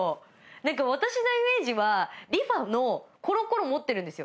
なんか私のイメージはリファのコロコロ持ってるんですよ。